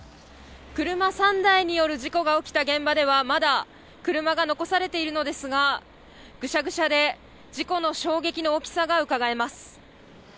車３台による事故が起きた現場では、まだ車が残されているのですが、ぐしゃぐしゃで、事故の衝撃の大きさがうかがえます。